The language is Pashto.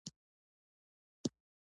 د یوه مضمون تر حوصلې وتلی کار دی.